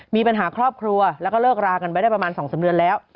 มีปัญหาครอบครัวแล้วก็เลิกรากันไปได้ประมาณ๒๓เดือนแล้ว